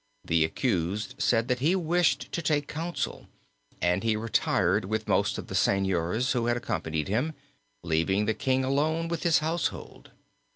The accused said that he wished to take counsel, and he retired with most of the seigneurs who had accompanied him, leaving the king alone with his household.